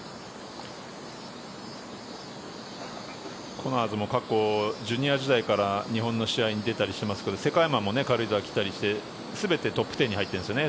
コナーズも過去ジュニア時代から日本の試合に出たりしていますけど全てトップ１０に入っているんですよね。